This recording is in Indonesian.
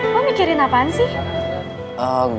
lo mikirin apaan sih